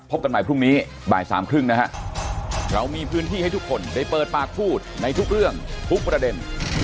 กันใหม่พรุ่งนี้บ่ายสามครึ่งนะฮะเรามีพื้นที่ให้ทุกคนได้เปิดปากพูดในทุกเรื่องทุกประเด็น